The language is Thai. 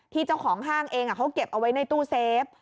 เจ้าของห้างเองเขาเก็บเอาไว้ในตู้เซฟ